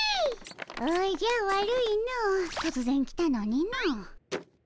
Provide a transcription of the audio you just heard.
おじゃ悪いのとつぜん来たのにの。